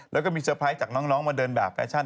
แล้วก็มีเตอร์ไพรส์จากน้องมาเดินแบบแฟชั่น